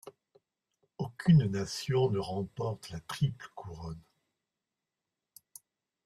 Aucune nation ne remporte la Triple couronne.